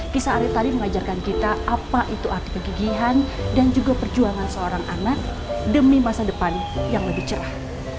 kisah arit tadi mengajarkan kita apa itu arti kegigihan dan juga perjuangan seorang anak demi masa depan yang lebih cerah